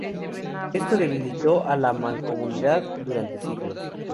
Esto debilitó a la Mancomunidad durante siglos.